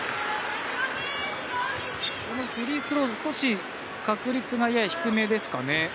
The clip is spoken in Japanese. フリースロー、少し確率がやや低めですかね。